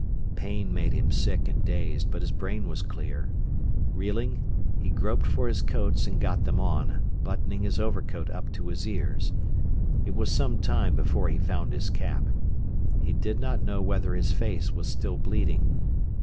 Pain made him sick and dazed, but his brain was clear. Reeling, he groped for his coats and got them on, buttoning his overcoat up to his ears. It was some time before he found his cap. He did not know whether his face was still bleeding.